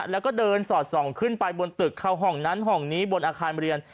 แล้วก็เดินสอดส่องขึ้นไปบนตึกเข้าห้องนั้นห้องนี้บนอาคารเรียน